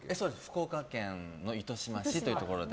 福岡県の糸島市というところで。